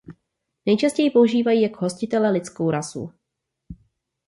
Nejčastěji používají jako hostitele lidskou rasu.